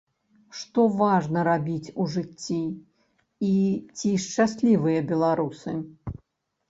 Што важна рабіць у жыцці і ці шчаслівыя беларусы?